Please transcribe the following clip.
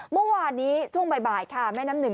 เมื่อวานนี้ช่วงบ่ายค่ะแม่น้ำหนึ่ง